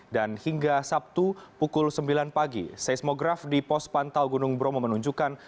dan hingga sabtu pukul sembilan pagi seismograf di pos pantau gunung bromo menunjukkan